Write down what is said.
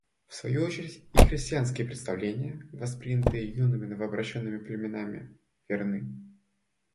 В свою очередь и христианские представления, воспринятые юными новообращенными племенами, верны.